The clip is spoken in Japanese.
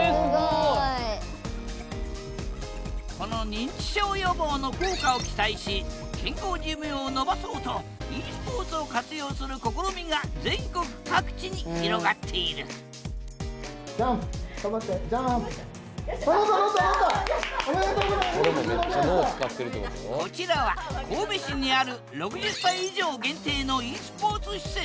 この認知症予防の効果を期待し健康寿命をのばそうとｅスポーツを活用する試みが全国各地に広がっているこちらは神戸市にある６０歳以上限定のｅスポーツ施設